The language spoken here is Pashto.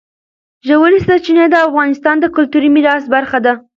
ژورې سرچینې د افغانستان د کلتوري میراث برخه ده.